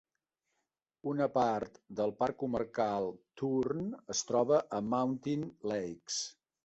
Una part del parc comarcal Tourne es troba a Mountain Lakes.